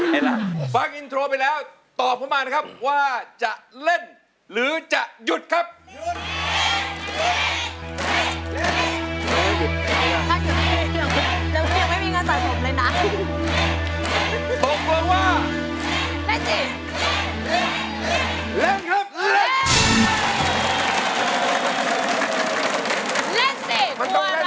มันไปแล้ว